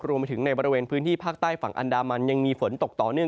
รวมไปถึงในบริเวณพื้นที่ภาคใต้ฝั่งอันดามันยังมีฝนตกต่อเนื่อง